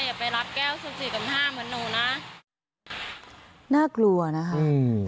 อย่าไปรับแก้วสิบสี่ต่ำห้าเหมือนหนูน่ะน่ากลัวนะคะอืม